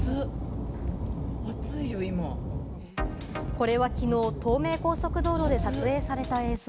これ昨日、東名高速道路で撮影された映像。